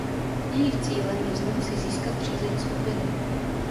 Jejich cílem je znovu si získat přízeň skupiny.